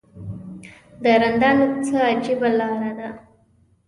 د رندانو څه عجیبه لاره ده.